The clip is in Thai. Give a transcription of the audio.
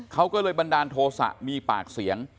เขาก็เลยบันดาลโทษะมีปากเสียง